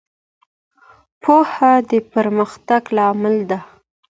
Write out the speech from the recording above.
پوهه د پرمختګ لامل ده.